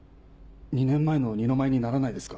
２年前の二の舞いにならないですか？